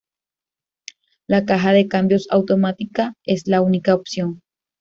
La caja de cambios automática es la única opción.